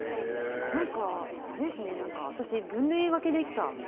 何か、私、分類分けできた。